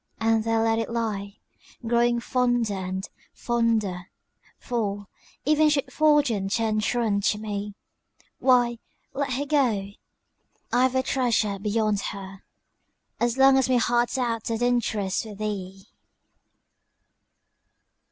And there let it lie, growing fonder and, fonder For, even should Fortune turn truant to me, Why, let her go I've a treasure beyond her, As long as my heart's out at interest With thee!